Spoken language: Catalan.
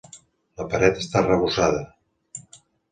La paret està arrebossada.